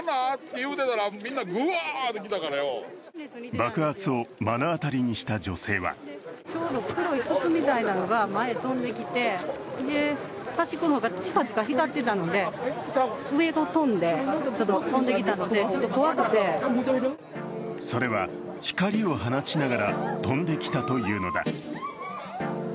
爆発を目の当たりにした女性はそれは、光を放ちながら飛んできたというのだ。